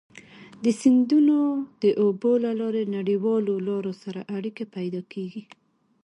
د سیندونو د اوبو له لارې نړیوالو لارو سره اړيکي پيدا کیږي.